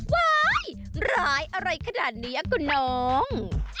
ว้ายร้ายอะไรขนาดนี้คุณน้อง